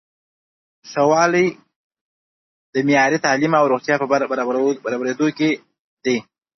ښه والی د معیاري تعلیم او روغتیا په برابریدو کې دی.